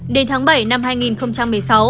đến tháng bảy năm hai nghìn một mươi sáu